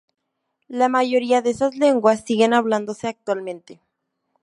La mayoría de estas lenguas siguen hablándose actualmente.